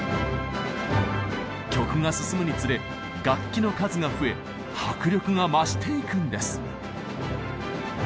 曲が進むにつれ楽器の数が増え迫力が増していくんです。